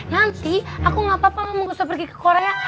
nanti aku gak papa mau pergi ke korea